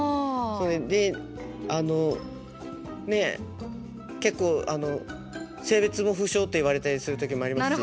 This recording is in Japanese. であのねっ結構あの性別も不詳って言われたりする時もありますし。